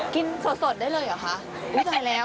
กินได้เลยสดได้เลยเหรอคะอุ๊ยจัดแล้ว